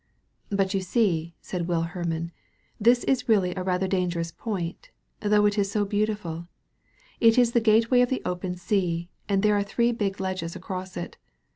"But you see," said Will H^mann, "this is really rather a dangerous point, though it is so beautiful. It is the gateway of the open sea, and there are three big ledges across it.